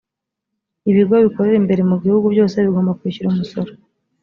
ibigo bikorera imbere mu gihugu byose bigomba kwishyura umusoro